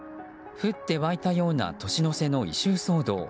降って湧いたような年の瀬の異臭騒動。